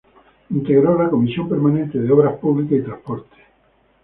Integró la Comisión Permanente de Obras Públicas y Transportes.